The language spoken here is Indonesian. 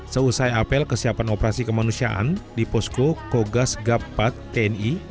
seusai apel kesiapan operasi kemanusiaan di posko kogas gapat tni